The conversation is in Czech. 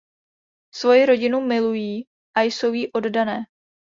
Svoji rodinu milují a jsou jí oddané.